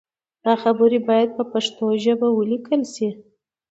دا خبرې باید په پښتو ژبه ولیکل شي.